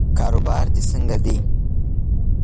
کاروبار دې څنګه دی؟